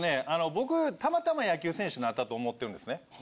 僕たまたま野球選手なったと思ってるんですね。